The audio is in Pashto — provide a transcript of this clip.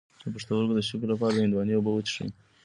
د پښتورګو د شګو لپاره د هندواڼې اوبه وڅښئ